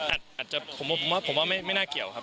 อื้ออาจจะผมว่าไม่น่าเกี่ยวครับ